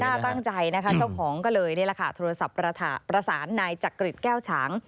ตั้งใจนะคะเจ้าของก็เลยนี่แหละค่ะโทรศัพท์ประสานนายจักริจแก้วฉาง